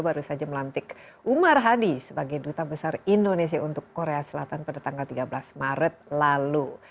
baru saja melantik umar hadi sebagai duta besar indonesia untuk korea selatan pada tanggal tiga belas maret lalu